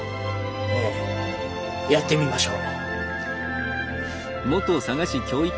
ええやってみましょう。